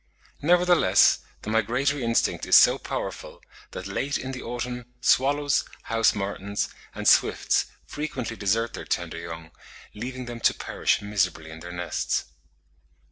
Nevertheless, the migratory instinct is so powerful, that late in the autumn swallows, house martins, and swifts frequently desert their tender young, leaving them to perish miserably in their nests.